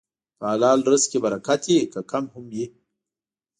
په حلال رزق کې برکت وي، که کم هم وي.